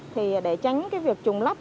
thì để tránh cái việc trùng lắp